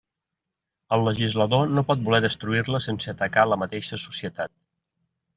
El legislador no pot voler destruir-la sense atacar la mateixa societat.